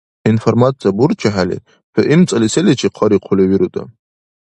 Информация бурчухӀели, хӀу имцӀали селичи хъарихъули вируда?